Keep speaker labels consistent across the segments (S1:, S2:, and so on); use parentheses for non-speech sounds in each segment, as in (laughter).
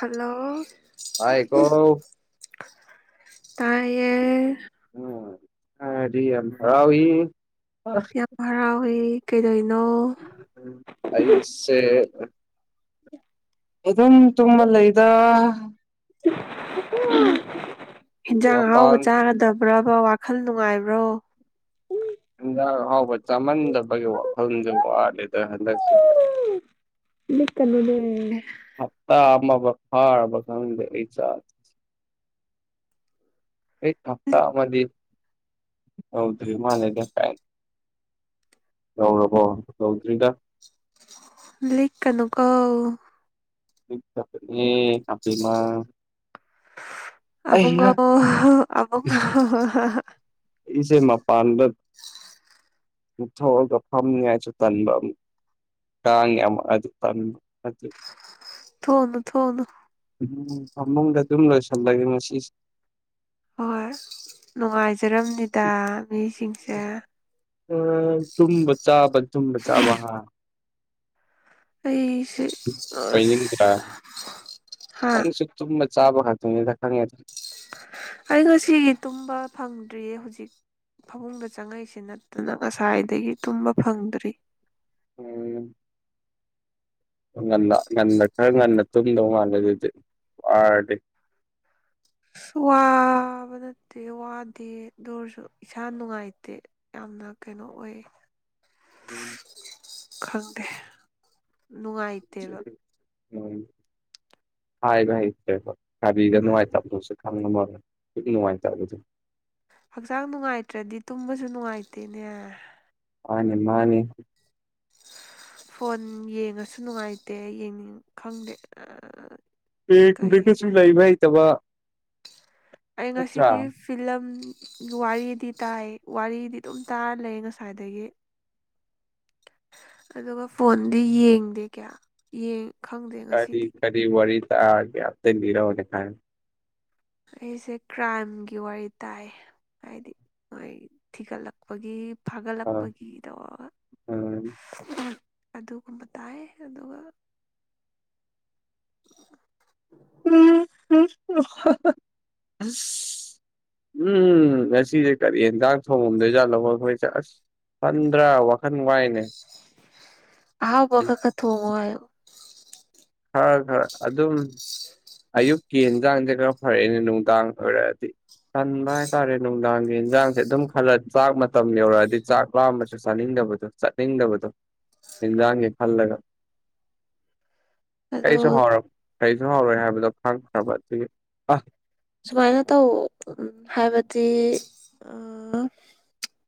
S1: hello
S2: ꯇꯥꯏꯀꯣ
S1: ꯇꯥꯏꯌꯦ
S2: ꯎꯝ ꯊꯔꯗꯤ ꯌꯥꯝ ꯍꯔꯥꯎꯋꯤ
S1: ꯌꯥꯝ ꯍꯔꯥꯎꯋꯦ ꯀꯩꯗꯧ
S2: (unintelligible) ꯑꯩꯁꯦ ꯑꯗꯨꯝ ꯇꯨꯝꯃ ꯂꯩꯗ
S1: (unintelligible) ꯍꯤꯟꯖꯥꯡ ꯑꯍꯥꯎꯕ
S2: ꯃꯄꯥꯟ
S1: ꯆꯥꯒꯗ ꯕ꯭ꯔꯕ ꯋꯥꯈꯜ ꯅꯨꯡꯉꯥꯏꯕ꯭ꯔꯣ
S2: ꯍꯤꯟꯖꯥꯡ ꯑꯍꯥꯎꯕ ꯆꯥꯃꯟꯗꯕꯒꯤ ꯋꯥꯈꯜꯖꯦ ꯋꯥꯠꯂꯦ (unintelligible) ꯍꯟꯗꯛꯁꯦ
S1: ꯂꯤꯛꯀꯅꯨꯅꯦ
S2: ꯍꯞꯇꯥ ꯑꯃꯕꯛ ꯐꯥꯔꯕ ꯈꯪꯗꯦ ꯑꯩ (unintelligible) ꯑꯩꯠ ꯍꯞꯇꯥ ꯑꯃꯗꯤ ꯌꯧꯗ꯭ꯔꯤ ꯃꯥꯜꯂꯦꯗ ꯀꯥꯏ ꯌꯧꯔꯕꯣ ꯌꯧꯗ꯭ꯔꯤꯗ
S1: ꯂꯤꯛꯀꯅꯨꯀꯣ
S2: (unintelligible) ꯑꯩꯁꯦ
S1: ꯑꯕꯨꯡꯉꯣꯍꯣ ꯑꯕꯨꯡꯉꯣ (unintelligible)
S2: ꯏꯁꯦ ꯃꯄꯥꯟꯗ ꯃꯨꯛ ꯊꯣꯑꯒ ꯐꯝꯅꯤꯉꯥꯏꯁꯨ ꯇꯟꯕ ꯑꯃꯨꯛ ꯀꯥꯡ‌ ꯌꯥꯝꯃꯑꯗꯤ ꯇꯟꯕ (unintelligible)
S1: ꯊꯣꯎꯅꯣ ꯊꯣꯎꯅꯣ
S2: ꯎꯝ ꯐꯃꯨꯡꯗ ꯑꯗꯨꯝ ꯂꯣꯏꯁꯜꯂꯒꯦ ꯉꯁꯤꯁꯦ
S1: ꯍꯣꯏ ꯅꯨꯡꯉꯥꯏꯖꯔꯝꯅꯤꯗ ꯃꯤꯁꯤꯡꯁꯦ
S2: (unintelligible) ꯇꯨꯝꯕ ꯆꯥꯥꯕ ꯇꯨꯝꯕ ꯆꯥꯥꯕ ꯍꯥ
S1: ꯑꯩ
S2: ꯑꫭꯏꯅꯤꯡꯗ꯭ꯔ
S1: ꯍꯥ
S2: ꯅꯪꯁꯨ ꯇꯨꯝꯕ ꯆꯥꯕ ꯈꯛꯇꯅꯦꯗ ꯈꯪꯉꯦꯗ
S1: ꯑꯩ ꯉꯁꯤꯒꯤ ꯇꯨꯝꯕ ꯐꯪꯗ꯭ꯔꯤꯌꯦ ꯍꯧꯖꯤꯛ ꯐꯃꯨꯡꯗ ꯆꯪꯉꯛꯏꯁꯤ ꯅꯠꯇꯅ ꯉꯁꯥꯏꯗꯒꯤ ꯇꯨꯝꯕ ꯐꯪꯗ꯭ꯔꯤ
S2: (unintelligible) ꯉꯟꯅ ꯉꯟꯅ ꯈꯔ ꯉꯟꯅ ꯇꯨꯝꯗꯧ ꯃꯥꯜꯂꯦ ꯑꯗꯨꯗꯤ ꯋꯥꯔꯗꯤ
S1: (inaudible) ꯋꯥꯕ ꯅꯠꯇꯦ ꯋꯥꯗꯦ ꯑꯗꯨ ꯑꯣꯏꯔꯁꯨ ꯏꯁꯥ ꯅꯨꯡꯉꯥꯏꯇꯦ ꯌꯥꯝ ꯑꯗꫭ ꯀꯩꯅꯣ ꯑꯣꯏ ꯈꯪꯗꯦ ꯅꯨꯡꯉꯥꯏꯇꯦꯕ
S2: (unintelligible) ꯍꯥꯏꯕ ꯍꯩꯇꯦꯕ ꯀꯔꯤꯗ ꯅꯨꯡꯉꯥꯏꯇꯝꯅꫭꯁꯨ (unintelligible) ꯄꯨꯛ ꯅꯨꯡꯉꯥꯏꯇꯕꯗꯨ
S1: ꯍꯛꯆꯥꯡ ꯅꯨꯡꯉꯥꯏꯇ꯭ꯔꯗꯤ ꯇꯨꯝꯕꯁꯨ ꯅꯨꯡꯉꯥꯏꯇꯦꯅꯦ
S2: ꯃꯥꯅꯦ ꯃꯥꯅꯦ
S1: ꯐꯣꯟ ꯌꯦꯡꯉꯁꯨ ꯅꯨꯡꯉꯥꯏꯇꯦ ꯌꯦꯡꯅꯤꯡ ꯈꯪꯗꯦ ꯑ
S2: ꯌꯦꯡꯗ꯭ꯔꯒꯁꯨ ꯂꯩꯕ ꯍꯩꯇꯕ
S1: ꯑꯩ
S2: ꯅꯠꯇ꯭ꯔꯥ
S1: ꯉꯁꯤꯒꯤ ꯐꯤꯂꯝ ꯋꯥꯔꯤꯗꯤ ꯇꯥꯏ ꯋꯥꯔꯤꯗꯤ ꯑꯗꯨꯝ ꯇꯥꯔ ꯂꯩ ꯉꯁꯥꯏꯗꯒꯤ ꯑꯗꯨꯒ ꯐꯣꯟꯗꯤ ꯌꯦꯡꯗꯦ ꯀꯌꯥ ꯌꯦꯡ ꯈꯪꯗꯦ ꯉꯁꯤꯗꯤ
S2: (unintelligible) ꯀꯔꯤ ꯋꯥꯔꯤ ꯇꯥꯒꯦ ꯑꯝꯇ ꯂꯤꯔꯑꫭꯅꯦ (unintelligible)
S1: ꯑꯩꯁꯦ ꯀ꯭ꯔꯥꯏꯝꯒꯤ ꯋꯥꯔꯤ ꯇꯥꯏ ꯍꯥꯏꯗꯤ ꯃꯣꯏ ꯊꯤꯒꯠꯂꯛꯄꯒꯤ
S2: ꯑ
S1: ꯐꯥꯒꯠꯂꯛꯄꯒꯤꯗꯣ
S2: ꯎꯝ
S1: (unintelligible) ꯑꯗꯨꯒꯨꯝꯕ ꯇꯥꯏ ꯑꯗꯨꯒ
S2: (unintelligible) ꯑꯁ ꯎꯝ ꯉꯁꯤꯁꯦ ꯀꯔꯤ ꯍꯦꯟꯖꯥꯡ ꯊꯣꯡꯉꯝꯗꯣꯏꯖꯥꯅꯣ ꯃꯈꯣꯏꯖꯦ ꯑꯁ ꯄꯟꯗ꯭ꯔ ꯋꯥ
S1: ꯑꯍꯥꯎꯕ ꯈ ꯈ ꯊꯣꯡꯉꯣ ꯍꯥꯏꯌꯣ
S2: ꯈꯔ ꯈꯔ ꯑꯗꯨꯝ ꯑꯌꯨꯛꯀꯤ ꯌꯦꯟꯖꯥꯡꯖꯦ ꯈꯔ ꯐꯔꯛꯑꯦꯅꯦ ꯅꯨꯡꯗꯥꯡ ꯑꯣꯏꯔꯛꯑꯗꯤ ꯇꯟꯕ ꯍꯥꯏꯇꯥꯔꯦ ꯅꯨꯡꯗꯥꯡꯒꯤ ꯏꯟꯖꯥꯡꯁꯦ ꯑꯗꯨꯝ ꯈꯜꯂ ꯆꯥꯛ ꯃꯇꯝ ꯌꯧꯔꯛꯑꯗꯤ ꯆꯥꯛ ꯂꯥꯝꯃꯁꯨ ꯆꯥꯅꯤꯡ ꯗꯕꯗꯣ ꯆꯠꯅꯤꯡꯗꯕꯗꯣ ꯍꯤꯟꯖꯥꯡꯒꯤ ꯈꯜꯂꯒ
S1: (inaudible)
S2: (unintelligible) ꯀꯩꯁꯨ ꯍꯥꯎꯔꯣꯏ ꯍꯥꯏꯕꯗꯣ ꯈꯪꯈ꯭ꯔꯕ ꯑꯗꯨꯒꯤ ꯑ
S1: ꯁꯨꯝꯃꯥꯏꯅ ꯇꯧ ꯍꯥꯏꯕꯗꯤ ꯑ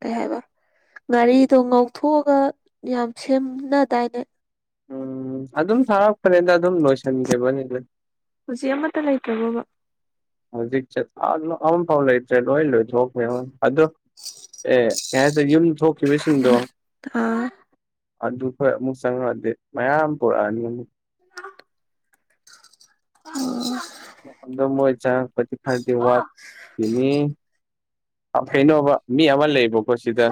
S1: ꯀꯩ ꯍꯥꯏꯕ ꯉꯥꯔꯤꯗꯣ ꯉꯧꯊꯣꯛꯑꯒ ꯌꯥꯝ ꯁꯦꯝꯅꯗꯥꯏꯅꯦ
S2: ꯎꯝ ꯑꯗꯨꯝ ꯊꯥꯔꯛꯄꯅꯤꯗ ꯑꯗꯨꯝ ꯂꯣꯏꯁꯟꯈꯤꯕꯅꯤꯗ
S1: ꯍꯧꯖꯤꯛ ꯑꯃꯠꯇ ꯂꯩꯇ꯭ꯔꯕꯣꯕ
S2: ꯍꯧꯖꯤꯛ ꯆꯠ (unintelligible) ꯑꯝꯐꯥꯎ ꯂꯩꯇ꯭ꯔꯦ ꯂꯣꯏ ꯂꯣꯏꯊꯣꯛꯈ꯭ꯔꯦ ꯑꯗꯣ ꯑꯦ ꯀꯩ ꯍꯥꯏꯗꯨꯏ ꯌꯨꯝ ꯊꯣꯛꯈꯤꯕ ꯁꯤꯡꯗꯣ
S1: ꯑꯥ
S2: ꯑꯗꯨ ꯈꯣꯏ ꯑꯃꯨꯛ ꯆꯪꯉꯛꯑꯗꯤ ꯃꯌꯥꯝ ꯄꫭꯔꯛꯑꯅꯤ ꯑꯃꯨꯛ
S1: (unintelligible)
S2: ꯑꯗꯨ ꯃꯣꯏ ꯆꯪꯉꯛꯄꯗꯤ ꯈꯔꯗꯤ
S1: ꯑꯥ
S2: ꯋꯥꯠꯈꯤꯅꯤ ꯀꯩꯅꯣꯕ ꯃꯤ ꯑꯃ ꯂꯩꯕꯀꯣ ꯁꯤꯗ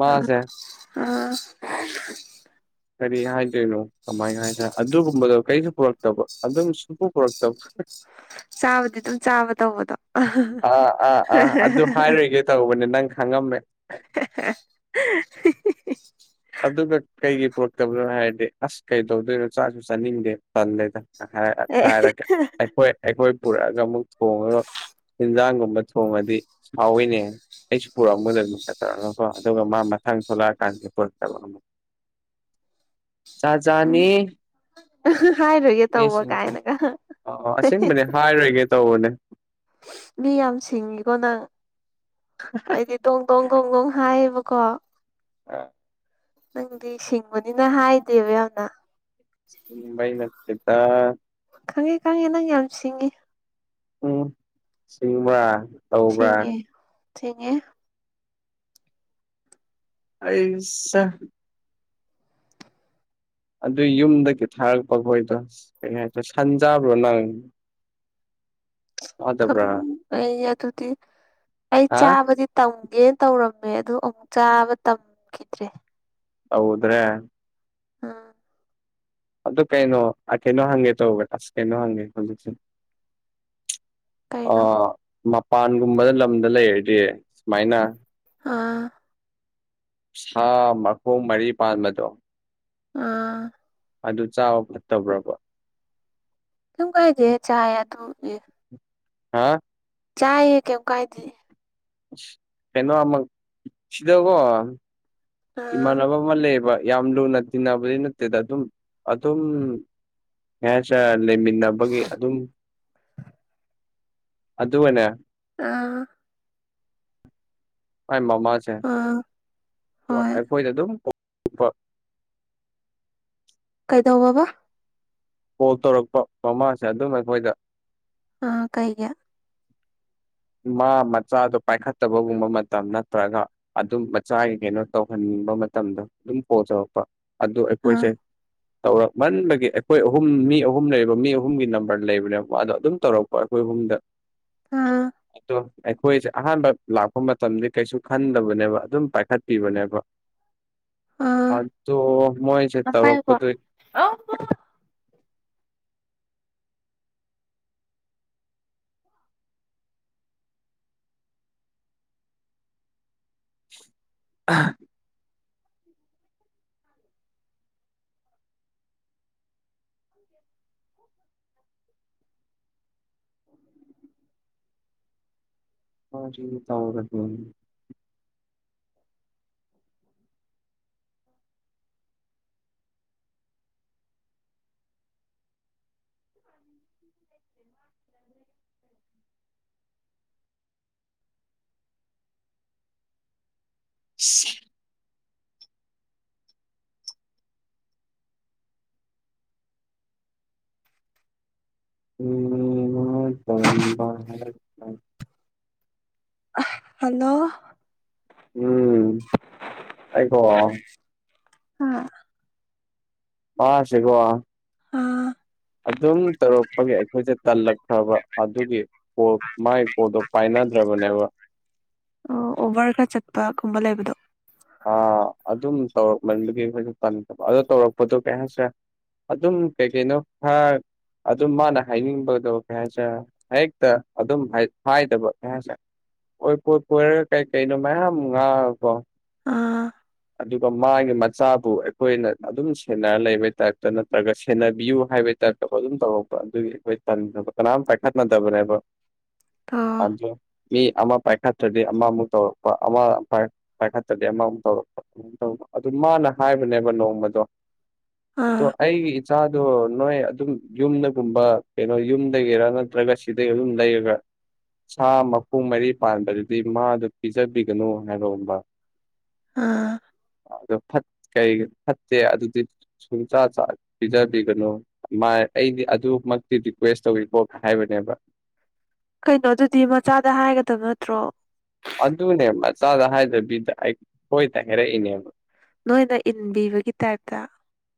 S2: ꯃꯥꯁꯦ
S1: ꯑꯥ (unintelligible)
S2: ꯀꯔꯤ ꯍꯥꯏꯗꯣꯏꯅꯣ ꯀꯃꯥꯏꯅ ꯍꯥꯏꯁꯦ ꯑꯗꯨꯒꯨꯝꯕꯗꯣ ꯀꯔꯤꯁꯨ ꯄꯨꯔꯛ ꯇꯕ ꯑꯗꯨꯝ ꯁꯨꯄꯨ ꯄꯨꯔꯛꯇꯕ
S1: ꯆꯥꯕꯗꯤ ꯑꯗꯨꯝ ꯆꯥꯕ ꯇꯧꯕꯗꯣ ꯍ
S2: ꯑꯥ ꯑꯥ ꯑꯥ ꯑꯗꯨ ꯍꯥꯏꯔꯣꯏꯒꯦ ꯇꯧꯕꯅꯦ ꯅꯪ ꯈꯪꯉꯝꯃꯦ
S1: (unintelligible)
S2: ꯑꯗꯨꯒ ꯀꯩꯒꯤ ꯄꯨꯨꯔꯛꯇꯕꯅꯣ ꯍꯥꯏꯔꯗꯤ ꯑꯁ ꯀꯩꯇꯧꯗꫭꯏꯅꯣ ꯆꯥꯁꯨ ꯆꯥꯅꯤꯡꯗꯦ ꯇꯜꯂꯦꯗ ꯍꯥꯏ
S1: ꯑꯦ
S2: ꯍꯥꯏꯔꯛꯀꯅꯤ ꯑꯩꯈꯣꯏ ꯑꯩꯈꯣꯏ ꯄꯨꯔꯛꯑꯒ ꯑꯃꯨꯛ ꯊꯣꯡꯉꯒ ꯏꯟꯖꯥꯡꯒꯨꯝꯕ ꯊꯣꯡꯉꯗꯤ ꯍꯥꯎꯋꯤꯅꯦ ꯑꯩꯁꯨ ꯄꯨꯔꯛꯑꯝꯒꯗꯝ (unintelligible) ꯑꯗꯨꯒ ꯃꯥ ꯃꯊꯪ ꯊꯣꯛꯂꯛꯑꯀꯥꯟꯗ ꯄꯨꯔꯛꯇꯕ ꯑꯃꯨꯛ ꯖꯥꯠ ꯖꯥꯠꯅꯤ
S1: ꯍꯥꯏꯔꯣꯏꯒꯦ ꯇꯧꯕ
S2: ꯃꯤꯁꯤꯡꯁꯦ
S1: ꯀꯥꯏꯅꯒ
S2: ꯑ ꯑꯁꯦꯡꯕꯅꯦ ꯍꯥꯏꯔꯣꯏꯒꯦ ꯇꯧꯕꯅꯦ
S1: (unintelligible) ꯃꯤ ꯌꯥꯝ ꯁꯤꯡꯉꯤꯀꯣ ꯅꯪ ꯑꯩꯗꯤ ꯗꯣꯡ ꯗꯣꯡ ꯗꯣꯡ ꯗꯣꯡ ꯍꯥꯏꯕ ꯀꯣ
S2: ꯑ
S1: ꯅꯪꯗꯤ ꯁꯤꯡꯕꯅꯤꯅ ꯍꯥꯏꯗꯦꯕ ꯌꯥꯝꯅ
S2: ꯁꯤꯡꯕꯩ ꯅꯠꯇꯦꯗ
S1: ꯈꯪꯉꯦ ꯈꯪꯉꯦ ꯅꯪ ꯌꯥꯝ ꯁꯤꯡꯉꯦ
S2: ꯎꯝ ꯁꯤꯡꯕ꯭ꯔꯥ ꯇꯧꯕ꯭ꯔꯥ
S1: ꯁꯤꯡꯉꯦ ꯁꯤꯡꯉꯦ
S2: ꯑꯩ ꯁꯦ ꯑꯗꯨꯏ ꯌꯨꯝꯗꯒꯤ ꯊꯥꯔꯛꯄꯈꯣꯏꯗꯣ ꯀꯩ ꯍꯥꯏ ꯁꯟ ꯆꯥꯕ꯭ꯔꯣ ꯅꯪ ꯆꯥꯗꯕ꯭ꯔꯥ
S1: (unintelligible) ꯑꯩ ꯑꯗꯨꯗꯤ ꯑꯩ
S2: ꯍꯥ
S1: ꯆꯥꯕꯗꯤ ꯇꯝ ꯒꯦ ꯇꯧꯔꯝꯃꯦ ꯑꯗꯨ ꯑꯃꯨꯛ ꯆꯥꯕ ꯇꯝꯈꯤꯗ꯭ꯔꯦ
S2: ꯇꯧꯗ꯭ꯔꯦ
S1: (unintelligible)
S2: ꯑꯗꯨ ꯀꯩꯅꯣ ꯑ ꯀꯩꯅꯣ ꯍꯪꯒꯦ ꯇꯧꯕꯗꯣ ꯀꯩꯅꯣ ꯍꯪꯒꯦ ꯇꯧꯕ ꯗꯨ (unintelligible)
S1: ꯀꯩꯅꯣ
S2: ꯑꯥ ꯃꯄꯥꯟꯒꯨꯝꯕ ꯂꯝꯗ ꯂꯩꯔꯗꯤ ꯁꯨꯃꯥꯏꯅ
S1: ꯑꯥ
S2: ꯁꯥ ꯃꯈꯣꯡ ꯃꯔꯤ ꯄꯥꯟꯕꯗꯣ
S1: ꯑꯥ
S2: ꯑꯗꯨ ꯆꯥꯕ ꯐꯠꯇꯕ꯭ꯔꯥꯕ
S1: (unintelligible) ꯀꯥꯏꯗꯦ ꯆꯥꯏ ꯑꯗꯨ ꯑꯦ
S2: (unintelligible)
S1: ꯆꯥꯏꯌꯦ ꯀꯩꯝ ꯀꯥꯏꯗꯦ
S2: (unintelligible) ꯀꯩꯅꯣ ꯑꯃ--ꯁꯤꯗꯀꯣ
S1: ꯑꯥ
S2: ꯏꯃꯥꯟꯅꯕ ꯋꯥꯠꯂꯦꯕ ꯌꯥꯝ ꯂꯨꯅ ꯇꯤꯟꯅꯕꯗꯤ ꯅꯠꯇꯦꯗ ꯑꯗꯨꯝ ꯑꯗꯨꯝ ꯀꯩꯍꯥꯏꯇꯥꯔꯦ ꯂꯩꯃꯤꯟꯅꯕꯒꯤ ꯑꯗꯨꯝ ꯑꯗꯨꯒꯅꯦ
S1: (unintelligible)
S2: ꯃꯥꯏ ꯃꯃꯥꯁꯦ
S1: ꯑꯥ
S2: (unintelligible)
S1: ꯍꯣꯏ
S2: ꯑꯩꯈꯣꯏꯗ ꯑꯗꯨꯝ (unintelligible)
S1: ꯀꯩꯗꯧꯕꯕꯥ
S2: ꯀꯣꯜ ꯇꯧꯔꯛꯄ ꯃꯃꯥꯁꯦ ꯑꯗꯨꯝ ꯑꯩꯈꯣꯏꯗ
S1: ꯑꯥ ꯀꯩꯒꯤ
S2: ꯃꯥ ꯃꯆꯥꯗꯣ ꯄꯥꯏꯈꯠꯇꯕꯒꯨꯝꯕ ꯃꯇꯝ ꯅꯠꯇ꯭ꯔꯒ ꯑꯗꯨꯝ ꯃꯆꯥꯒꯤ ꯀꯩꯅꯣ ꯇꯧꯍꯟ ꯕ ꯃꯇꯝꯗ ꯑꯗꯨꯝ ꯀꯣꯜ ꯇꯧꯔꯛꯄ ꯑꯗꯨ
S1: ꯑꯥ
S2: ꯑꯩꯈꯣꯏꯁꯦ ꯇꯧꯔꯛꯃꯟꯕꯒꯤ ꯑꯩꯈꯣꯏ ꯑꯍꯨꯝ ꯃꯤ ꯑꯍꯨꯝ ꯂꯩꯌꯦꯕ ꯃꯤ ꯑꯍꯨꯝꯒꯤ ꯅꯝꯕꯔ ꯂꯩꯕꯅꯦꯕ ꯃꯥꯗꯣ ꯑꯗꯨꯝ ꯇꯧꯔꯛꯄ ꯑꯩꯈꯣꯏ ꯑꯍꯨꯝ ꯗ
S1: ꯑꯥ
S2: ꯑꯗꯣ ꯑꯩꯈꯣꯏꯁꯦ ꯑꯍꯥꯟꯕ ꯂꯥꯛꯄ ꯃꯇꯝꯗꯤ ꯀꯩꯁꯨ ꯈꯟꯗꯕꯅꯦꯕ ꯑꯗꯨꯝ ꯄꯥꯏꯈꯠꯄꯤꯕꯅꯦꯕ
S1: ꯑꯥ
S2: ꯑꯗꯣ ꯃꯣꯏꯁꯦ
S1: ꯑꯝ ꯄꯥꯏꯌꯨꯀꯣ
S2: ꯇꯧꯔꯛꯄꯗꯨꯏ
S1: ꯑꯧ
S2: (unintelligible)
S1: (inaudible)
S2: (unintelligible)
S1: (inaudible) (inaudible)
S2: ꯁꯤ (unintelligible) (unintelligible)
S1: (unintelligible) ꯍꯜꯂꯣ (unintelligible)
S2: ꯑꯩꯕꯣ
S1: ꯍ
S2: ꯑꯉꯥꯡꯁꯦꯀꯣ
S1: ꯑ
S2: ꯑꯗꯨꯝ ꯇꯧꯔꯛꯄꯒꯤ ꯑꯩꯈꯣꯏꯁꯦ ꯇꯜꯂꯛꯈ꯭ꯔꯕ ꯑꯗꯨꯒꯤ ꯀꯣꯜ--ꯃꯥꯒꯤ ꯀꯣꯜꯗꯣ ꯄꯥꯏꯅ (unintelligible)
S1: ꯑꯣ ꯑꯣꯕꯔ ꯈꯔ ꯆꯠꯄ ꯒꯨꯝꯕ ꯂꯩꯕꯗꯣ
S2: ꯑ ꯑꯗꯨꯝ ꯇꯧꯔꯛꯃꯟꯕꯩ ꯑꯩꯈꯣꯏꯗꯣ ꯇꯟ (unintelligible) ꯑꯗꯣ ꯇꯧꯔꯛꯄꯗꯣ ꯀꯩ (unintelligible) ꯑꯗꯨꯝ ꯀꯩ ꯀꯩꯅꯣ ꯈꯔ ꯑꯗꯨꯝ ꯃꯥꯅ ꯍꯥꯏꯅꯤꯡꯕꯗꯣ ꯀꯩ ꯍꯥꯏꯁꯤꯔ ꯍꯦꯛꯇ ꯑꯗꯨꯝ ꯍꯥꯏ ꯍꯥꯏꯗꯕ ꯀꯩ ꯍꯥꯏꯁꯤꯔ ꯑꯣꯏ ꯀꯣꯏ ꯀꯣꯏꯔ ꯀꯩ ꯀꯩꯅꯣ ꯃꯌꯥꯝ ꯉꯥꯡꯉꯀꯣ
S1: ꯑꯥ
S2: ꯑꯗꯨꯒ ꯃꯥꯒꯤ ꯃꯆꯥꯕꯨ ꯑꯩꯈꯣꯏꯅ ꯑꯗꯨꯝ ꯁꯦꯟꯅꯔ ꯂꯩꯕꯩ ꯇꯥꯏꯞꯇ ꯅꯠꯇ꯭ꯔꯒ ꯁꯦꯟꯅꯕꯤꯌꯨ ꯍꯥꯏ ꯍꯥꯏꯕꯩ ꯇꯥꯏꯞꯣ ꯑꯗꯨꯝ ꯇꯧꯔꯛꯄ ꯑꯗꯨꯒꯤ ꯇꯟꯗꯅ ꯀꯅꯥꯝ ꯄꯥꯏꯈꯠꯅꯗꯕꯅꯦꯕ
S1: ꯑꯣ
S2: ꯑꯗꯣ ꯃꯤ ꯑꯃ ꯄꯥꯏꯈꯠꯇ꯭ꯔꯗꯤ ꯑꯃꯃꯨꯛ ꯇꯧꯔꯛꯄ ꯑꯃ ꯄꯥꯏꯈꯠ ꯗꯤ ꯑꯃꯨꯛ ꯇꯧꯔꯛꯄ ꯑꯗꯨꯝ ꯇꯧꯕ ꯥ ꯑꯗꯨ ꯃꯥꯅ ꯍꯥꯏꯕꯅꯦꯕ ꯅꯣꯡꯃꯗꯣ ꯑꯗꯣ
S1: ꯑꯥ
S2: ꯑꯩꯒꯤ ꯏ ꯆꯥꯗꯣ ꯅꯣꯏ ꯑꯗꯨꯝ ꯌꯨꯝꯗꯒꯨꯝꯕ ꯀꯩꯅꯣ ꯌꯨꯝꯗꯒꯤꯔꯥ ꯅꯠꯇ꯭ꯔꯒ ꯁꯤꯗꯒꯤ ꯑꯗꯨꯝ ꯂꯩꯔꯒ ꯁꯥ ꯃꯈꯣꯡ ꯃꯔꯤ ꯄꯥꯟꯕꯗꯨꯗꯤ ꯃꯥꯗꯨ ꯄꯤꯖꯕꯤꯒꯅꯨ ꯍꯥꯏꯕꯒꯨꯝꯕ
S1: ꯑꯥ
S2: ꯑꯗꯣ ꯐꯠ ꯀꯩ ꯐꯠꯇꯦ ꯑꯗꯨꯗꯤ ꯁꯨꯡꯆꯥꯥ ꯆꯥ ꯄꯤꯖꯕꯤꯒꯅꯨ ꯃꯥ ꯑꯩꯗꯤ ꯑꯗꯨꯃꯛꯇꯤ ꯔꯤꯀ꯭ꯋꯦꯁ ꯇꯧꯋꯤꯀꯣ ꯍꯥꯏꯕꯅꯦꯕ
S1: ꯀꯩꯅꯣꯗꯨꯗꯤ ꯃꯆꯥꯗ ꯍꯥꯏꯒꯗꯕ ꯅꯠꯇ꯭ꯔꯣ
S2: ꯑꯗꯨꯅꯦ ꯃꯆꯥꯗ ꯍꯥꯏꯗꯕꯤꯗ ꯑꯩꯈꯣꯏꯗ ꯍꯥꯏꯔꯛꯏꯅꯦꯕ
S1: ꯅꯣꯏꯅ ꯏꯟꯕꯤꯕꯒꯤ ꯇꯥꯏꯞꯇ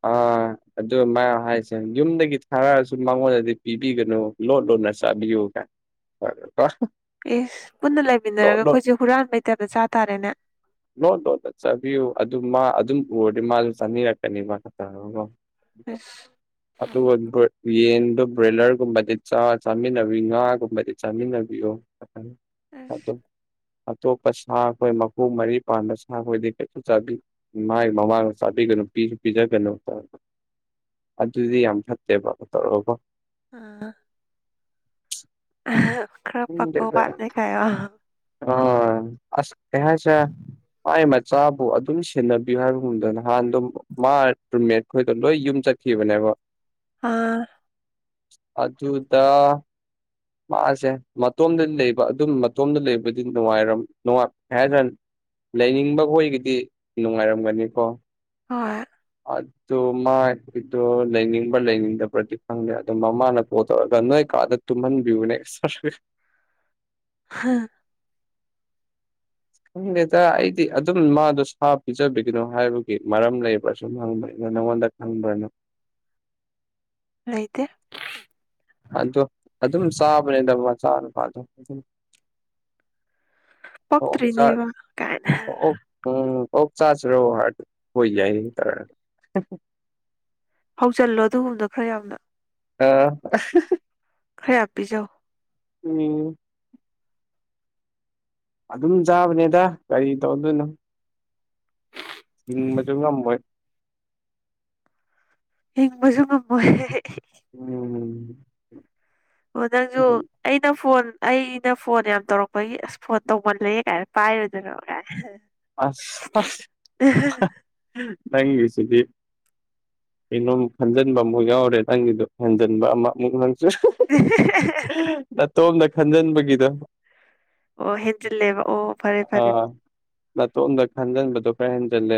S2: ꯑꯥ ꯑꯗꯨ ꯃꯌꯥꯝ ꯍꯥꯏꯁꯦ ꯌꯨꯝꯗꯒꯤ ꯊꯥꯔꯛꯑꯁꯨ ꯃꯉꯣꯟꯗꯗꯤ ꯄꯤꯕꯤꯒꯅꯨ ꯂꯣꯠ ꯂꯣ ꯂ ꯆꯥꯕꯤꯌꯨ ꯒꯥꯢ (unintelligible)
S1: ꯑꯦꯁ ꯄꯨꯟꯅ ꯂꯩꯃꯤꯟꯅꯔꯒ
S2: ꯂꯣꯠ
S1: ꯑꯩꯈꯣꯏꯁꯦ ꯍꯨꯔꯥꯟꯕꯩ ꯇꯥꯞꯇ ꯆꯥ ꯇꯥꯔꯦꯅꯦ
S2: ꯂꯣꯠ ꯂꯣꯠꯂ ꯆꯥꯕꯤꯌꯨ ꯑꯗꯨꯝ ꯃꯥ ꯑꯗꯨꯝ ꯎꯔꯗꯤ ꯃꯥꯁꯨ ꯆꯥꯅꯤꯉꯛꯀꯅꯤ
S1: ꯑꯁ
S2: ꯑꯗꯨ ꯒꯨꯠ ꯌꯦꯟꯗꯣ ꯕ꯭ꯔꯣꯏꯂꯔꯒꯨꯝꯕꯗꯤ ꯆꯥꯃꯤꯟꯅꯕꯤ ꯉꯥꯒꯨꯝꯕꯗꯤ ꯆꯥꯃꯤꯟꯅꯕꯤꯌꯣ
S1: ꯑꯁ
S2: ꯑꯇꯣꯞꯄ ꯁꯥ ꯈꯣꯏ ꯃꯈꯣꯡ ꯃꯔꯤ ꯄꯥꯟꯕ ꯁꯥ ꯈꯣꯏꯗꯤ ꯀꯩꯁꯨ ꯆꯥꯕꯤ ꯃꯥꯒꯤ ꯃꯃꯥꯡꯗ ꯆꯥꯕꯤꯒꯅꯨ ꯀꯩꯅꯣ ꯄꯤꯁꯨ ꯄꯤꯖꯒꯅꯨ ꯑꯗꯨꯗꯤ ꯌꯥꯝ ꯐꯠꯇꯦꯕ ꯇꯧꯔꯀꯣ
S1: ꯑꯥ ꯈꯔ ꯄꯥꯛꯄ ꯋꯥꯠꯂꯦ ꯒꯥꯢꯌꯣ
S2: ꯑꯣꯏ ꯑꯁ ꯀꯩ ꯍꯥꯏꯁꯦꯔ ꯃꯥꯢ ꯃ ꯆꯥꯕꯨ ꯑꯗꯨꯝ ꯁꯦꯟꯅꯕꯤꯌꯨ ꯍꯥꯏꯕꯒꯨꯝꯗ ꯅꯍꯥꯟꯗꯣ ꯃꯥ ꯔꯨꯝꯃꯦꯠ ꯈꯣꯏꯗꯣ ꯂꯣꯏ ꯌꯨꯝ ꯆꯠꯈꯤꯕꯅꯦꯕ
S1: ꯑꯥ
S2: ꯑꯗꯨꯗ ꯃꯥꯁꯦ ꯃꯇꯣꯝꯗ ꯂꯩꯕ ꯑꯗꯨꯝ ꯃꯇꯣꯝꯗ ꯂꯩꯕꯗꯤ ꯅꯨꯡꯉꯥꯏꯔꯝ ꯅꯨꯡꯉꯥꯏ ꯍꯥꯏꯗ꯭ꯔꯅꯤ ꯂꯩꯅꯤꯡꯕ ꯍꯣꯏꯒꯤꯗꯤ ꯅꯨꯡꯉꯥꯏꯔꯝꯒꯅꯤꯀꯣ
S1: ꯍꯣꯏ
S2: ꯑꯗꯨ ꯃꯥꯒꯤꯗꯣ ꯂꯩꯅꯤꯡꯕ꯭ꯔ ꯂꯩꯅꯤꯡꯗꯕ꯭ꯔꯗꯤ ꯈꯪꯗꯦ ꯑꯗꯨ ꯃꯃꯥꯅ ꯐꯣꯟ ꯇꯧꯔꯒ ꯅꯣꯏ ꯀꯥꯗ ꯇꯨꯝꯍꯟꯕꯤꯌꯨꯅꯦ ꯑꯁ
S1: ꯍꯥꯥ
S2: ꯈꯪꯗꯦꯗ ꯑꯩꯗꯤ ꯑꯗꯨꯝ ꯃꯥꯗꯣ ꯁꯥ ꯄꯤꯖꯕꯤꯒꯅꯣ ꯍꯥꯏꯕꯒꯤ ꯃꯔꯝ ꯂꯩꯕ꯭ꯔꯥ ꯁꯨꯝ ꯍꯪꯕꯅꯤꯗ ꯅꯪꯉꯣꯟꯗ ꯈꯪꯕ꯭ꯔꯅ
S1: ꯂꯩꯇꯦ
S2: ꯑꯗꯣ ꯑꯗꯨꯝ ꯆꯥꯕꯅꯦꯗ ꯃꯆꯥꯥ ꯅꯨꯨꯄꯥꯗꯣ ꯑꯣ ꯆꯥ
S1: ꯄꯛꯇ꯭ꯔꯤꯅꯦꯕ ꯀꯥꯏꯅ
S2: ꯑꯣꯑꯣꯛ ꯎꯝ ꯑꯣꯛ ꯆꯁꯤꯔꯣ ꯍꯥꯢꯔꯗꯤ ꯑꯣꯏ ꯌꯥꯏ ꯇꯧꯔꯛꯑꯅꯤ
S1: ꯍꯣꯡ ꯆꯜꯂꯣ ꯑꯗꯨꯒꯨꯝꯕꯗꯣ ꯈꯔ ꯌꯥꯝꯅ
S2: ꯑꯥ
S1: ꯈꯔ ꯌꯝ ꯄꯤꯖꯧ
S2: ꯎꯝ ꯑꯗꯨꯝ ꯆꯥꯕꯅꯦꯗ ꯀꯔꯤ ꯇꯧꯗꯣꯏꯅꯣ ꯊꯤꯡꯕꯁꯨ ꯉꯝꯃꯣꯢ
S1: ꯍꯤꯡꯕꯖꯨ ꯉꯝꯃꯣꯢ
S2: (inaudible)
S1: ꯑꯣ ꯅꯪꯁꯨ ꯑꯩꯅ ꯐꯣꯟ ꯑꯩꯅ ꯐꯣꯟ ꯌꯥꯝ ꯇꯧꯔꯛꯄꯒꯤ ꯑꯁ ꯐꯣꯟ ꯇꯧꯃꯜꯂꯦ ꯀꯥꯏꯅ ꯄꯥꯏꯔꯣꯢꯗꯣꯏꯔ ꯀꯥꯏ
S2: ꯑꯁ ꯑꯁ ꯅꯪꯒꯤꯁꯤꯗꯤ ꯀꯩꯅꯣꯃꯨꯛ ꯈꯟꯖꯤꯟꯕ ꯑꯃꯨꯛ ꯌꯥꯎꯔꯦ ꯅꯪꯒꯤꯗꯨ ꯍꯟꯖꯤꯟꯕ ꯑꯃꯃꯨꯛ ꯅꯪ ꯅꯇꯣꯝꯗ ꯈꯟꯖꯟꯕꯒꯤꯗꯣ
S1: ꯑꯣ ꯍꯤꯟꯖꯤꯜꯂꯦꯕ ꯑꯣ ꯐꯔꯦ ꯐꯔꯦ
S2: ꯅꯥꯇꯣꯝꯗ ꯈꯟꯖꯤꯟꯕꯗꯣ ꯈꯔ ꯍꯦꯟꯖꯤꯜꯂꯦ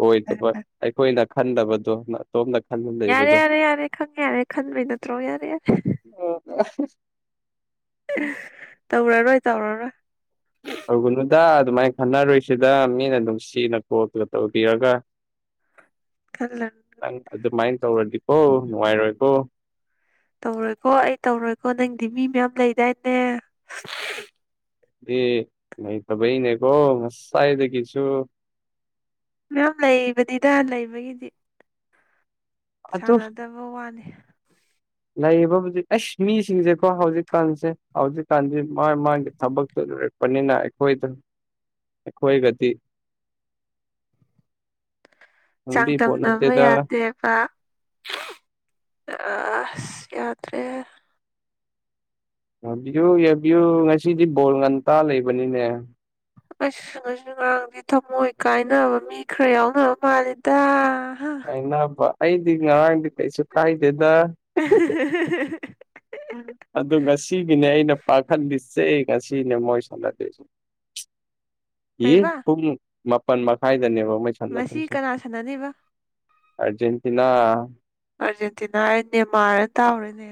S2: ꯑꯣꯏꯗꯕ ꯑꯩꯈꯣꯏꯅ ꯈꯟꯗꯕꯗꯣ ꯅꯇꯣꯝꯗ ꯈꯟꯖꯟ
S1: ꯌꯥꯔꯦ
S2: ꯂꯩꯕꯗꯣ
S1: ꯌꯥꯔꯦ ꯌꯥꯔꯦ ꯈꯪꯉꯦ ꯌꯥꯔꯦ ꯈꯟꯕꯩ ꯅꯠꯇ꯭ꯔꯣ ꯌꯥꯔꯦ ꯌꯥꯔꯦ
S2: ꯍꯁ
S1: ꯇꯧꯔꯔꯣꯏ ꯇꯧꯔꯔꯣꯏ
S2: ꯇꯧꯒꯅꯨꯗ ꯑꯗꯨꯃꯥꯏꯅ ꯈꯟꯅꯔꯣꯢꯁꯤꯗ ꯃꯤꯅ ꯅꯨꯡꯁꯤꯅ ꯀꯣꯜ ꯇꯧꯕꯤꯔꯒ
S1: (inaudible) ꯈꯜꯂꯅꯨ
S2: ꯅꯪ ꯑꯗꯨꯃꯥꯏꯅ ꯇꯧꯔꯗꯤꯀꯣ ꯅꯨꯡꯉꯥꯏꯔꯣꯏꯀꯣ
S1: ꯇꯧꯔꯣꯏꯀꯣ ꯑꯩ ꯇꯧꯔꯣꯏꯀꯣ ꯅꯪꯗꯤ ꯃꯤ ꯃꯌꯥꯝ ꯂꯩꯗꯥꯏꯅꯦ
S2: ꯑꯦ ꯂꯩꯇꯕꯩꯅꯦꯀꯣ ꯉꯁꯥꯢꯗꯒꯤꯁꯨꯨ
S1: ꯃꯌꯥꯝ ꯂꯩꯕꯅꯤꯗ ꯂꯩꯕꯒꯤꯗꯤ
S2: ꯑꯗꯨ
S1: ꯁꯥꯟꯅꯗꯕ ꯋꯥꯅꯤ
S2: ꯂꯩꯕꯕꯨꯗꯤ ꯑꯁ ꯃꯤꯁꯤꯡꯁꯦꯀꯣ ꯍꯧꯖꯤꯛꯀꯥꯟꯁꯦ ꯍꯧꯖꯤꯛꯀꯥꯟꯁꯤ ꯃꯥ ꯃꯥꯒꯤ ꯊꯕꯛꯇꯨ ꯂꯩꯔꯛꯄꯅꯤꯅ ꯑꯩꯈꯣꯏꯗꯨ ꯑꯈꯣꯏꯒꯗꯤ
S1: (inaudible)
S2: ꯈꯪꯕꯤ ꯄꯣꯠ
S1: ꯆꯥꯡꯗꯝꯅꯕ
S2: ꯅꯠꯇꯦꯗ
S1: ꯌꯥꯗꯦꯕ ꯑ ꯑꯁ ꯌꯥꯗ꯭ꯔꯦ
S2: ꯌꯦꯡꯕꯤꯌꯨ ꯌꯦꯡꯕꯤꯌꯨ ꯉꯁꯤꯗꯤ ꯕꯣꯜ ꯉꯟꯇꯥ ꯂꯩꯕꯅꯤꯅꯦ
S1: ꯑꯁ ꯉꯁꯤ ꯉꯔꯥꯡꯗꯤ ꯊꯝꯃꯣꯏ ꯀꯥꯏꯅꯕ ꯃꯤ ꯈꯔ ꯌꯥꯎꯅꯕ ꯃꯥꯜꯂꯤꯗ
S2: ꯀꯥꯢꯅꯕ ꯑꯩꯗꯤ ꯉꯔꯥꯡꯗꯤ ꯀꯩꯁꯨ ꯀꯥꯏꯗꯦꯗ ꯄꯥꯈꯠ ꯂꯤꯁꯦ ꯉꯁꯤꯅꯦ ꯃꯣꯏ ꯁꯅꯗꯣꯢꯁꯦ ꯌꯤ
S1: ꯀꯔꯤꯕ
S2: ꯍꯨꯝ ꯃꯨꯛ ꯃꯥꯄꯜ ꯃꯈꯥꯏꯗꯅꯦꯕ ꯃꯣꯢ
S1: ꯉꯁꯤ
S2: ꯁꯥꯟꯅꯗꯣꯢꯁꯦ
S1: ꯀꯅꯥ ꯁꯥꯟꯅꯅꯤꯕ
S2: ꯑꯔꯖꯦꯟꯇꯤꯅꯥ
S1: ꯑꯔꯖꯦꯟꯇꯤꯅꯥ ꯍꯥꯏ ꯅꯦꯃꯥꯔꯗ ꯇꯥꯎꯔꯤꯅꯦ